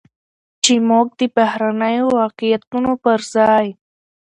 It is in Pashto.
چې موږ د بهرنيو واقعيتونو پرځاى